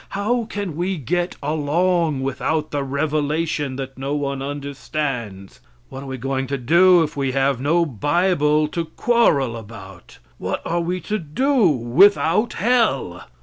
How can we get along without the revelation that no one understands? What are we going to do if we have no bible to quarrel about? What are we to do without hell?